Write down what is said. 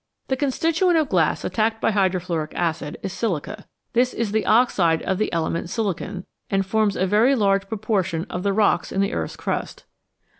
The constituent of glass attacked by hydrofluoric acid is silica. This is the oxide of the element silicon, and forms a very large proportion of the rocks in the earth's crust.